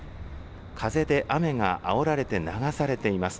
風で雨があおられて流されています。